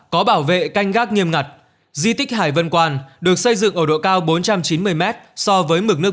có bảo vệ canh gác nghiêm ngặt di tích hải vân quan được xây dựng ở độ cao bốn trăm chín mươi mét so với mực nước